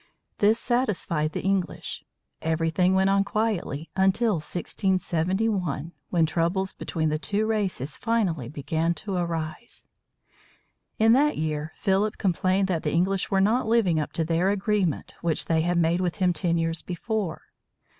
This satisfied the English. Everything went on quietly until 1671, when troubles between the two races finally began to arise. In that year Philip complained that the English were not living up to their agreement which they had made with him ten years before.